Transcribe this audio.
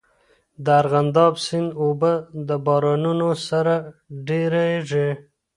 د ارغنداب سیند اوبه د بارانونو سره ډېریږي.